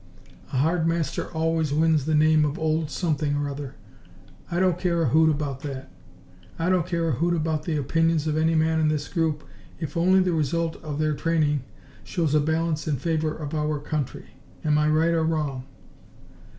Humph! A hard master always wins the name of 'old' something or other. I don't care a hoot about that. I don't care a hoot about the opinions of any man in this group if only the result of their training shows a balance in favor of our country. Am I right or wrong?"